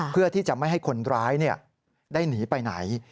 เพื่อที่จะไม่ให้คนร้ายได้หนีไปไหน